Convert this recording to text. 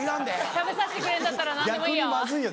「食べさせてくれるんだったら何でもいいよ」。